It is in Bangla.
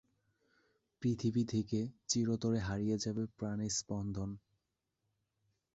পৃথিবী থেকে চিরতরে হারিয়ে যাবে প্রাণের স্পন্দন।